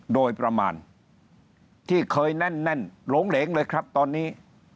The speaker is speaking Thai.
โดยประมาณที่เคยแน่นหลงเหลงเลยครับตอนนี้